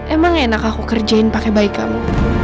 emang enak aku kerjain pakai baik kamu